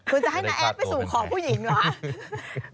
คุณจะให้น้าแอดไปสู่ของผู้หญิงเหรอ